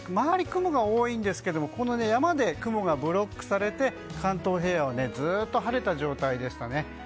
今日は周り、雲が多いんですが山で雲がブロックされて関東平野はずっと晴れた状態でしたね。